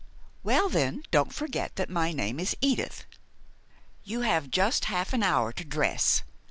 "Well, then, don't forget that my name is Edith. You have just half an hour to dress.